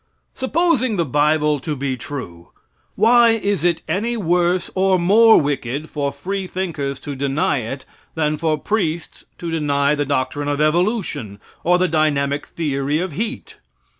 Supposing the bible to be true; why is it any worse or more wicked for free thinkers to deny it, than for priests to deny the doctrine of evolution, or the dynamic theory of heat?